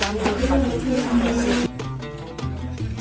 satu dua tiga empat